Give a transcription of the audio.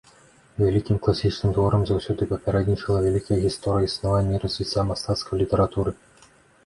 Вялікім класічным творам заўсёды папярэднічала вялікая гісторыя існавання і развіцця мастацкай літаратуры.